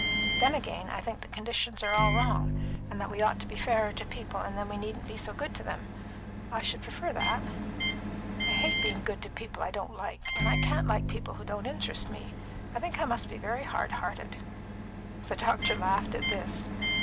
Then again, I think the conditions are all wrong, and that we ought to be fairer to people, and then we needn't be so good to them. I should prefer that. I hate being good to people I don't like, and I can't like people who don't interest me. I think I must be very hard hearted." The doctor laughed at this.